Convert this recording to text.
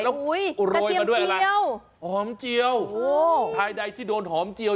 สวยโอ้ยกระเทียมเจียวหอมเจียวโอ้โหใครใดที่โดนหอมเจียว